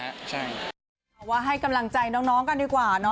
เอาว่าให้กำลังใจน้องกันดีกว่า